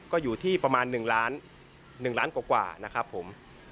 ก็อยู่ที่ประมาณ๑ล้าน๑ล้านกว่านะครับผม